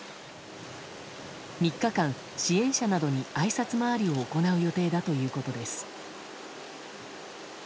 ３日間、支援者などにあいさつ回りを行う予定だということです。